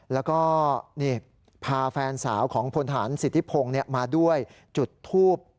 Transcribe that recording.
แล้วก็พาแฟนสาวของพลฐานสิทธิพงศ์มาด้วยจุดทูบ